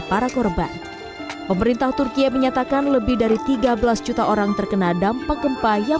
para korban pemerintah turkiye menyatakan lebih dari tiga belas juta orang terkena dampak gempa yang